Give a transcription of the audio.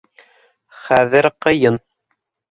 Хәҙер ҡыйын.